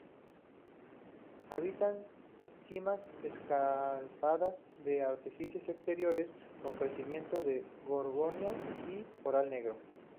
Habitan simas escarpadas de arrecifes exteriores, con crecimiento de gorgonias y coral negro.